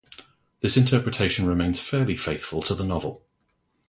This interpretation remains fairly faithful to the novel.